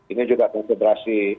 ini juga konsentrasi